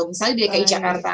misalnya di dki jakarta